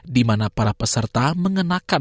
di mana para peserta mengenakan